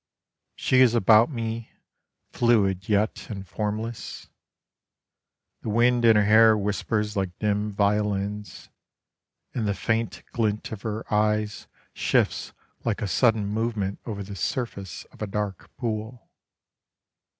She is about me, fluid yet, and formless; The wind in her hair whispers like dim violins: And the faint glint of her eyes shifts like a sudden movement Over the surface of a dark pool.